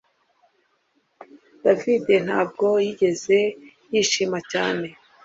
David ntabwo yigeze yishima cyane